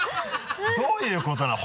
どういうことなの？